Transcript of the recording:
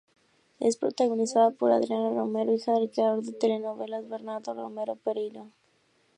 Es protagonizada por Adriana Romero, hija del creador de telenovelas Bernardo Romero Pereiro.